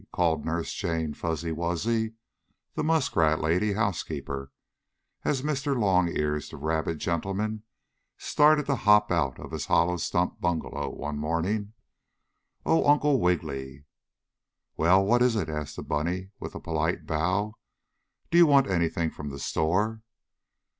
called Nurse Jane Fuzzy Wuzzy, the muskrat lady housekeeper, as Mr. Longears, the rabbit gentleman, started to hop out of his hollow stump bungalow one morning. "Oh, Uncle Wiggily!" "Well, what is it?" asked the bunny with a polite bow. "Do you want anything from the store?"